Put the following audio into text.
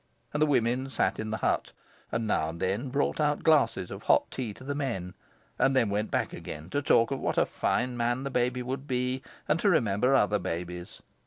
And the women sat in the hut, and now and then brought out glasses of hot tea to the men, and then went back again to talk of what a fine man the baby would be, and to remember other babies.